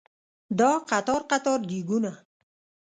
دا قطار قطار دیګونه